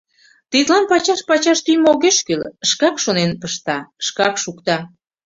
Тидлан пачаш-пачаш тӱймӧ огеш кӱл, шкак шонен пышта, шкак шукта.